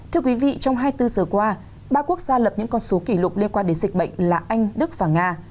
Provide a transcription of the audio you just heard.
thưa quý vị trong hai mươi bốn giờ qua ba quốc gia lập những con số kỷ lục liên quan đến dịch bệnh là anh đức và nga